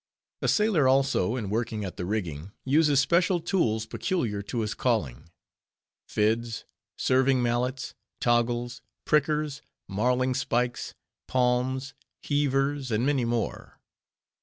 A sailor, also, in working at the rigging, uses special tools peculiar to his calling—fids, serving mallets, toggles, prickers, marlingspikes, palms, heavers, and many more.